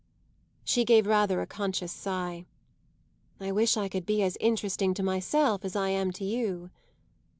She gave rather a conscious sigh. "I wish I could be as interesting to myself as I am to you!"